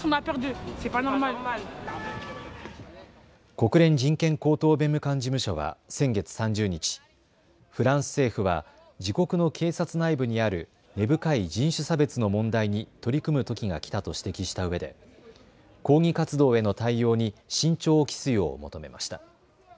国連人権高等弁務官事務所は先月３０日、フランス政府は自国の警察内部にある根深い人種差別の問題に取り組むときがきたと指摘したうえで抗議活動への対応に慎重を期すよう求めました。